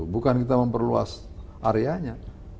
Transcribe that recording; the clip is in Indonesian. bukan kita memperluas areanya